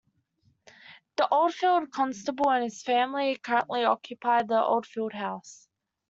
The Old Field Constable and his family currently occupy the Old Field house.